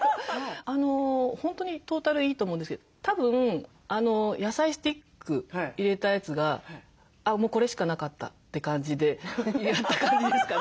本当にトータルいいと思うんですけどたぶんあの野菜スティック入れたやつがもうこれしかなかったって感じでやった感じですかね？